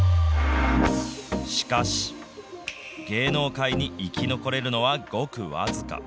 しかし、芸能界に生き残れるのはごく僅か。